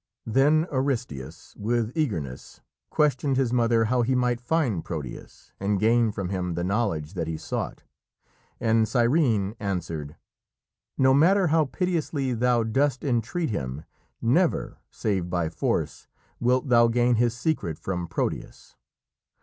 Then Aristæus with eagerness questioned his mother how he might find Proteus and gain from him the knowledge that he sought, and Cyrene answered: "No matter how piteously thou dost entreat him, never, save by force, wilt thou gain his secret from Proteus.